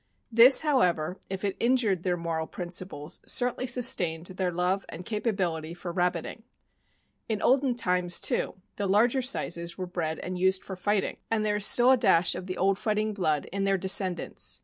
This, however, if it injured their moral principles, certainly sustained their love and capability for rabbiting In olden times, too, the larger sizes were bred and used for right ing, and there is still a dash of the old fighting blood in their descendants.